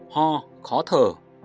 ho khó thở